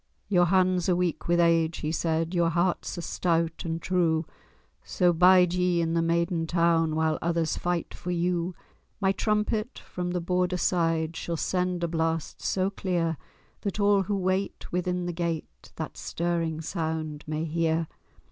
"Your hands are weak with age," he said, "Your hearts are stout and true; So bide ye in the maiden town, While others fight for you. My trumpet from the Border side Shall send a blast so clear, That all who wait within the gate That stirring sound may hear.